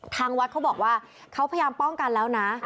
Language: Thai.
ทางวัดเขาบอกว่าเขาพยายามป้องกันแล้วนะ